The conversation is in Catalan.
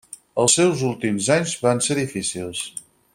Els seus últims anys van ser difícils.